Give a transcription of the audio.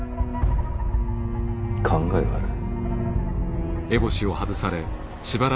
考えがある。